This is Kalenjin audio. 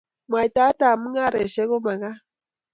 Mwaitaet ab mung'areshek kumakat